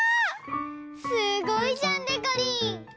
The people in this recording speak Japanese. すごいじゃんでこりん！